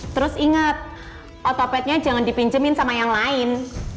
terus inget otopetnya jangan dipinjemin sama yang lain